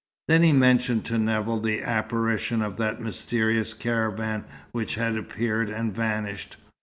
Then he mentioned to Nevill the apparition of that mysterious caravan which had appeared, and vanished.